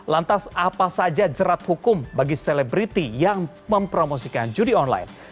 lantas apa saja jerat hukum bagi selebriti yang mempromosikan judi online